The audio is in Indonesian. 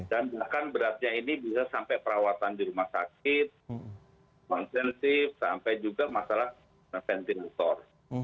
dan bahkan beratnya ini bisa sampai perawatan di rumah sakit konsensif sampai juga masalah ventilator